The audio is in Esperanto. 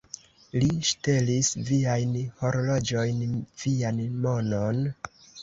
Li ŝtelis viajn horloĝojn, vian monon?